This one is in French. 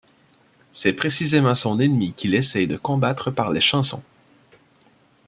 C'est même précisément son ennemi qu'il essaye de combattre par les chansons.